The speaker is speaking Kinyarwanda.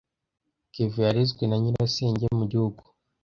Kevin yarezwe na nyirasenge mu gihugu.